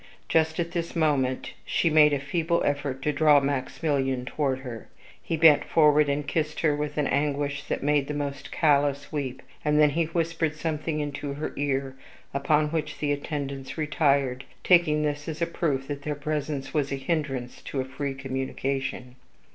Just at this moment she made a feeble effort to draw Maximilian toward her; he bent forward and kissed her with an anguish that made the most callous weep, and then he whispered something into her ear, upon which the attendants retired, taking this as a proof that their presence was a hindrance to a free communication.